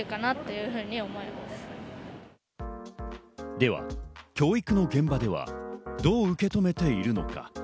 では、教育の現場ではどう受け止めているのか。